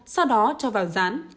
sau đó cho vào rán